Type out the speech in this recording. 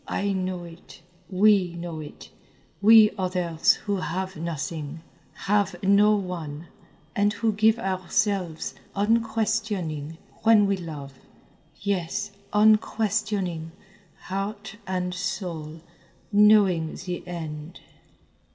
I know it, we know it, we others who have nothing, have no one, and who give ourselves, unquestioning when we love, yes, unquestioning heart and soul, knowing the end."